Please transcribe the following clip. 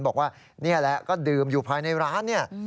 บอกว่านี่แหละก็ดื่มอยู่ภายในร้านเนี่ย